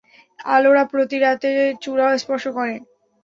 আলোরা প্রতি রাতে চূড়া স্পর্শ করে।